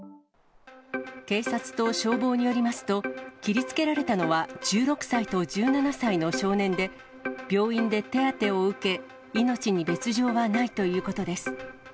警察と消防によりますと、切りつけられたのは、１６歳と１７歳の少年で、病院で手当てを受け、命に別状はないということです。